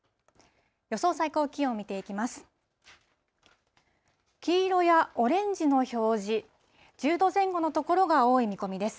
予想最高気温、見ていきます。